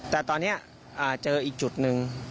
แต่ตอนนี้เจออีกจุดหนึ่ง